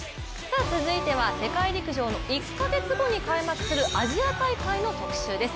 続いては世界陸上の１か月後に開幕するアジア大会の特集です。